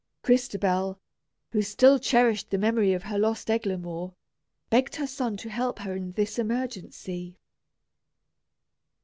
Crystabell, who still cherished the memory of her lost Sir Eglamour, begged her son to help her in this emergency.